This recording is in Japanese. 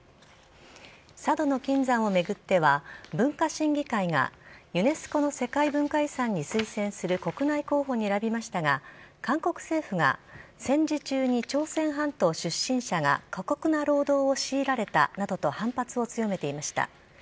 佐渡島の金山を巡っては文化審議会がユネスコの世界文化遺産に推薦する国内候補に選びましたが韓国政府が戦時中に朝鮮半島出身者が過酷な労働を強いられたなどと反発を強めていました。